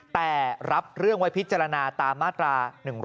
แต่รับเรื่องไว้พิจารณาตามมาตรา๑๑๒